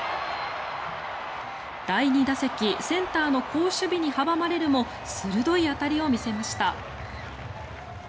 第２打席センターの好守備に阻まれるも鋭い当たりを見せました。